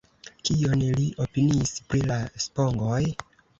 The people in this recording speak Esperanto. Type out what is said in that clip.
Kion li opiniis pri la spongoj?